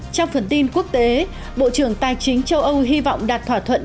trong phần tin quốc tế bộ trưởng tài chính châu âu hy vọng đạt thỏa thuận